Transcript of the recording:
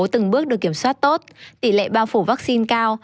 từng bước được kiểm soát tốt tỷ lệ bao phủ vaccine cao